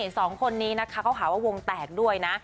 สองคนนี้นะคะเขาหาว่าวงแตกด้วยนะ